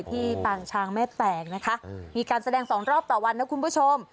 ปางช้างแม่แตกนะคะมีการแสดงสองรอบต่อวันนะคุณผู้ชม